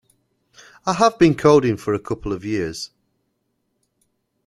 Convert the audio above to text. I have been coding for a couple of years.